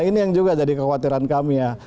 ini yang juga jadi kekhawatiran kami ya